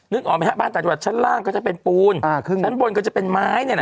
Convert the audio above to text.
นึกออกไหมครับบ้านต่างจากชั้นล่างก็จะเป็นปูนชั้นบนก็จะเป็นไม้เนี่ยนะ